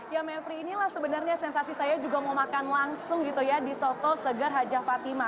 ya mevri inilah sebenarnya sensasi saya juga mau makan langsung gitu ya di soto segar haja fatima